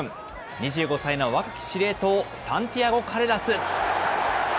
２５歳の若き司令塔、サンティアゴ・カレラス。